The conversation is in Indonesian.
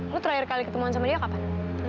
lu terakhir kali ketemuan sama dia kapan